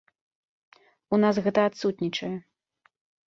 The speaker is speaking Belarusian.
У нас гэта адсутнічае.